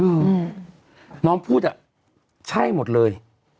อืมน้องพูดอ่ะใช่หมดเลย